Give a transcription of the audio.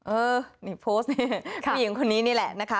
เออนี่โพสต์นี่ผู้หญิงคนนี้นี่แหละนะคะ